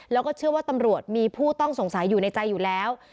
แล้วก็เชื่อว่าตำรวจมีผู้ต้องสงสัยอยู่ในใจอยู่แล้ว